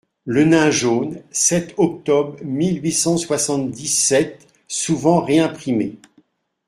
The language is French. LE NAIN JAUNE, sept octobre mille huit cent soixante-dix-sept, souvent réimprimé.